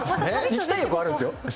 行きたい欲はあるんですよ。